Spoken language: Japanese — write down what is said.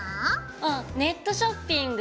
あっネットショピング。